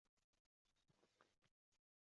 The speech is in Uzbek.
va hiqillab yig'lay boshladi.